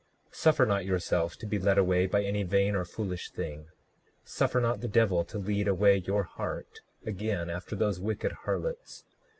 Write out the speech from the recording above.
39:11 Suffer not yourself to be led away by any vain or foolish thing; suffer not the devil to lead away your heart again after those wicked harlots.